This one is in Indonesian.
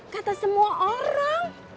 kata semua orang